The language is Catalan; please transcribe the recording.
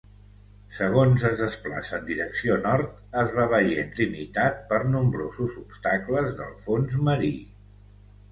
Segons es desplaça en direcció nord, es va veient limitat per nombrosos obstacles del fons marí.